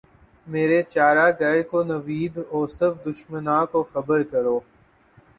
مرے چارہ گر کو نوید ہو صف دشمناں کو خبر کرو